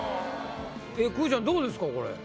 くーちゃんどうですかこれ。